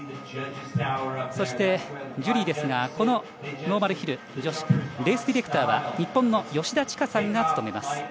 そして、ジュリーですがこのノーマルヒル女子レースディレクターは日本の吉田千賀さんが務めます。